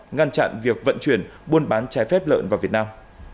ngăn chặn việc vận chuyển buôn bán trái phép lợn vào việt nam